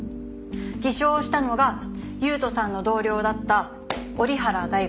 偽証したのが優人さんの同僚だった折原大吾。